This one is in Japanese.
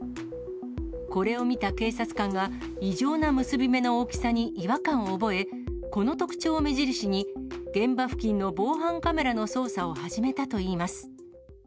これを見た警察官が異常な結び目の大きさに違和感を覚え、この特徴を目印に、現場付近の防犯カメラの捜査を始めたといいます。